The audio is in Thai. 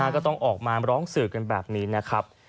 ก็ต้องออกมาร้องสื่อกันแบบนี้นะครับ